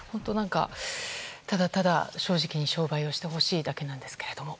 ただただ正直に商売をしてほしいだけなんですけれども。